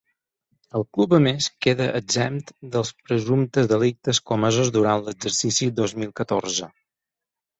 El club, a més, queda exempt dels presumptes delictes comesos durant l’exercici dos mil catorze.